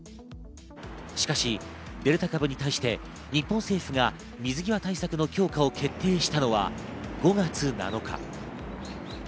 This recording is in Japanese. しかし、デルタ株に対して日本政府が水際対策の強化を決定したのは５月７日。